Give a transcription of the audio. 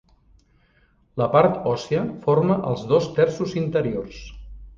La part òssia forma els dos terços interiors.